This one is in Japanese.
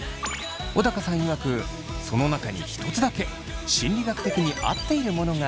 小高さんいわくその中にひとつだけ心理学的に合っているものがありました。